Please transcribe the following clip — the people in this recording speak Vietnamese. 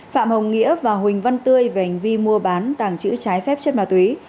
phạm hồng nghĩa và huỳnh văn tươi về hành vi mua bán tàng trữ trái phép chất ma túy